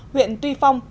huyện tuy phong